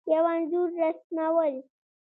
یو انځور رسمول